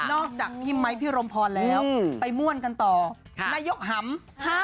จากพี่ไมค์พี่รมพรแล้วไปม่วนกันต่อนายกหำ